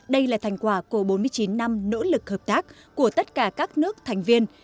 đây là thành quả của bốn mươi chín năm nỗ lực hợp tác của tất cả các nước thành viên